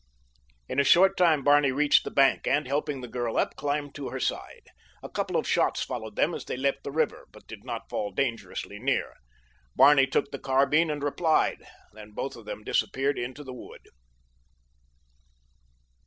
In a short time Barney reached the bank and, helping the girl up, climbed to her side. A couple of shots followed them as they left the river, but did not fall dangerously near. Barney took the carbine and replied, then both of them disappeared into the wood.